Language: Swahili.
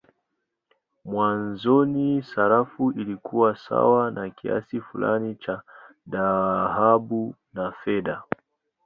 Mwanzoni sarafu ilikuwa sawa na kiasi fulani cha dhahabu au fedha.